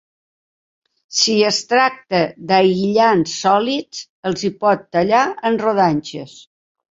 Si es tracta d'aïllants sòlids, els hi pot tallar en rodanxes.